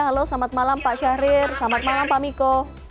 halo selamat malam pak syahrir selamat malam pak miko